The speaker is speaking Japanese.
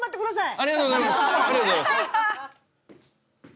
ありがとうございます！